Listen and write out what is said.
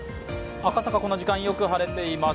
赤坂、この時間、よく晴れています。